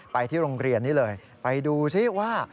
ไปที่โรงเรียนนี้เลยไปดูซิว่า